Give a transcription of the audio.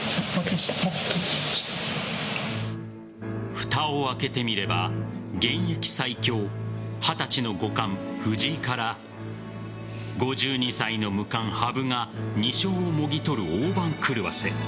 ふたを開けてみれば現役最強二十歳の五冠・藤井から５２歳の無冠・羽生が２勝をもぎ取る大番狂わせ。